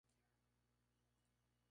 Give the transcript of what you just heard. En las hembras, la cola es pequeña y corta.